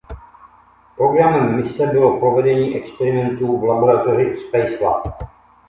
Programem mise bylo provedení experimentů v laboratoři Spacelab.